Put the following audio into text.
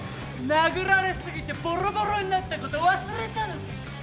殴られ過ぎてボロボロになったこと忘れたのか？